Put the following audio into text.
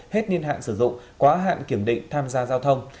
hết niên hạn sử dụng quá hạn kiểm định tham gia giao thông